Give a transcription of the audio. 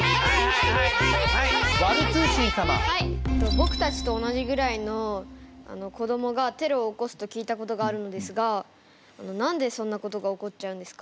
僕たちと同じぐらいの子どもがテロを起こすと聞いたことがあるのですが何でそんなことが起こっちゃうんですか？